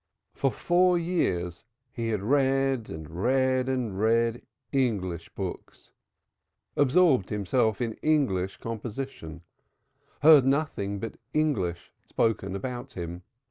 For four years he had read and read and read English books, absorbed himself in English composition, heard nothing but English spoken about him.